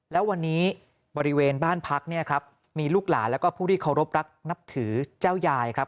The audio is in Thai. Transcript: แล้ววันนี้บริเวณบ้านพักเนี่ยครับมีลูกหลานแล้วก็ผู้ที่เคารพรักนับถือเจ้ายายครับ